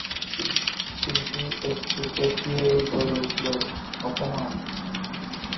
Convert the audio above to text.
CC একটু চেঁচিয়েই বলে উঠল, অপমান!